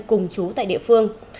cùng chú tại địa phương